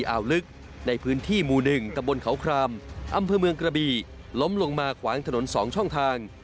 อ่าวลึกในพื้นที่หมู่๑ตะบนเขาครามอำเภอเมืองกระบีล้มลงมาขวางถนน๒ช่องทาง